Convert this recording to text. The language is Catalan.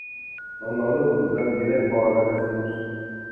El nou d'octubre en Dídac vol anar a Casinos.